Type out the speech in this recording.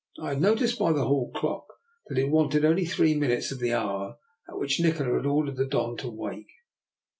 I had noticed by the hall clock that it wanted only three minutes of the hour at which Nikola had ordered the Don to wake.